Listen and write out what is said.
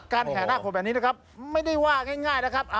แห่หน้าคนแบบนี้นะครับไม่ได้ว่าง่ายนะครับ